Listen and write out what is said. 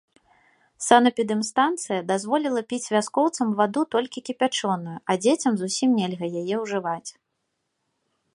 Санэпідэмстанцыя дазволіла піць вяскоўцам ваду толькі кіпячоную, а дзецям зусім нельга яе ўжываць.